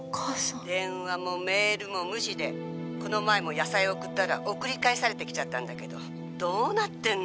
「電話もメールも無視でこの前も野菜送ったら送り返されてきちゃったんだけどどうなってんの？」